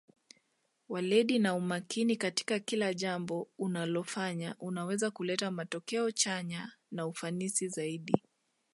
weledi na umakini katika kila jambo unalofanya unaweza kuleta matokeo chanya na ufanisi zaidi